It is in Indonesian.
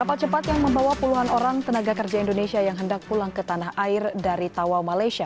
kapal cepat yang membawa puluhan orang tenaga kerja indonesia yang hendak pulang ke tanah air dari tawau malaysia